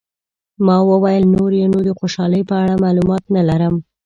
ما وویل، نور یې نو د خوشحالۍ په اړه معلومات نه لرم.